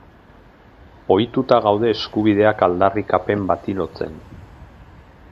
Ohituta gaude eskubideak aldarrikapen bati lotzen.